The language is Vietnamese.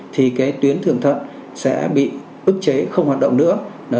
thì cái tuyến thường thận sẽ bị ức chế không hoạt động nữa